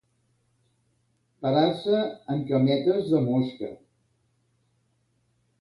Parar-se en cametes de mosca.